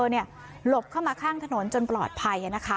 หลบเข้ามาข้างถนนจนปลอดภัย